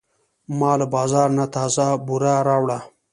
ما له بازار نه تازه بوره راوړه.